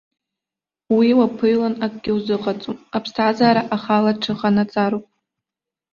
Уи уаԥыҩлан акгьы узыҟаҵом, аԥсҭазаара ахала аҽыҟанаҵароуп.